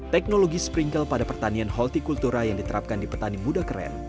teknologi sprinkle pada pertanian horticultura yang diterapkan di petani muda keren